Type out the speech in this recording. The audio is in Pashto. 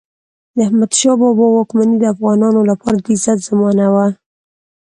د احمدشاه بابا واکمني د افغانانو لپاره د عزت زمانه وه.